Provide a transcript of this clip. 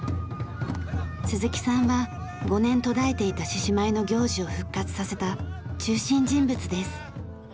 鈴木さんは５年途絶えていた獅子舞の行事を復活させた中心人物です。